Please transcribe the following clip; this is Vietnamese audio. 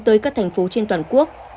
với các thành phố trên toàn quốc